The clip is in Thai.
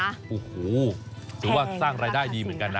โอ้โหถือว่าสร้างรายได้ดีเหมือนกันนะ